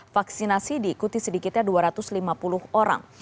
vaksinasi diikuti sedikitnya dua ratus lima puluh orang